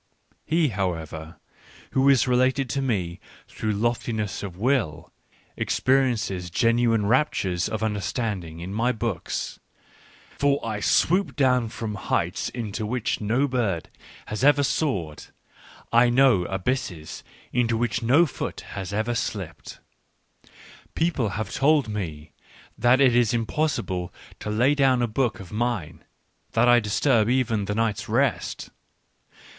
He, however, who is related to me through loftiness of will, experiences genuine raptures of understanding in Digitized by Google WHY I WRITE SUCH EXCELLENT BOOKS 6l my books : for I swoop down from heights into which no bird has ever soared ; I know abysses into which no foot has ever slipped. People have told me that it is impossible to lay down a book of mine — that I disturb even the night's rest.